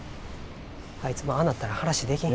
あいつもああなったら話できん。